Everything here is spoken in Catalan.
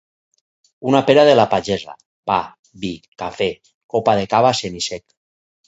Una pera de la pagesa, pa, vi, cafè, copa de cava semi-sec.